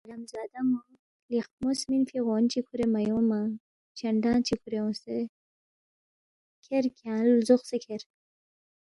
”حرامزادہ ن٘و لیخمو سمِنفی غون چی کُھورے مہ اونگما چنڈانگ چی کُھورے اونگسے، کھیر کھیانگ لزوقسے کھیر